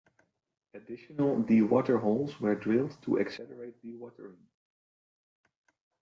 Additional dewater holes were drilled to accelerate dewatering.